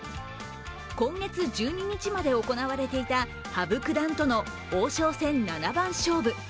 今月１２日まで行われていた羽生九段との王将戦七番勝負。